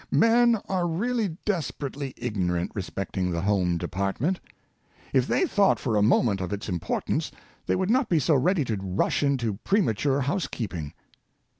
Men are really desperately ignorant respecting the home department. If they thought for a moment of its importance, they would not be so ready to rush into premature housekeeping.